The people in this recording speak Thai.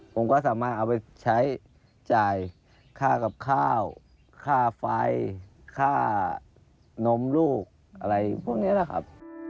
ผมก็สามารถเอาไปใช้จ่ายค่ากับข้าวค่าไฟค่านมลูกอะไรพวกนี้แหละครับ